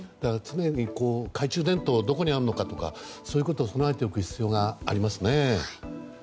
常に懐中電灯がどこにあるのかとかそういうことを備えておく必要がありますね。